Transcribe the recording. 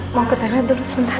mau ketanya dulu sebentar